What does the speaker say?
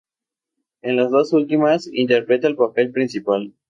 En las dos últimas, interpreta el papel principal.